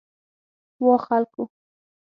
وا خلکو!